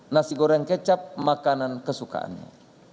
nasi goreng kecap makanan kesukaannya